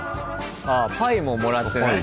ああパイももらってね。